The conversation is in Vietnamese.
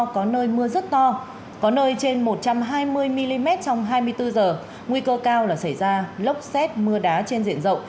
có nơi mưa rất to có nơi trên một trăm hai mươi mm trong hai mươi bốn h nguy cơ cao là xảy ra lốc xét mưa đá trên diện rộng